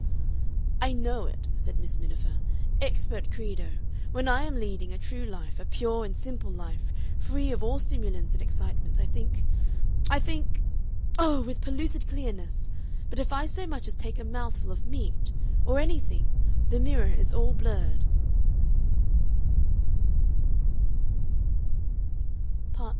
"I know it," said Miss Miniver. "Experte credo. When I am leading a true life, a pure and simple life free of all stimulants and excitements, I think I think oh! with pellucid clearness; but if I so much as take a mouthful of meat or anything the mirror is all blurred."